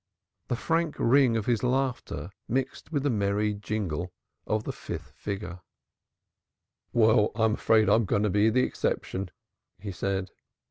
The frank ring of his laughter mixed with the merry jingle of the fifth figure "Well, I'm afraid I'm going to be an exception," he said.